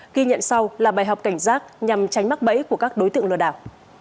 ghi nhận sau là bài học cảnh giác nhằm tránh mắc bẫy của các đối tượng lừa đảo